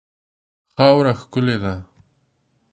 خاوره ښکلې ده.